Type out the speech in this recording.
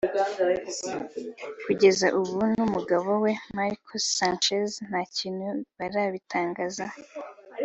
kugeza ubu we n’umugabo we Mark Sanchez nta kintu barabitangazaho